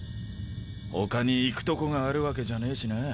ほかに行くとこがあるわけじゃねぇしな。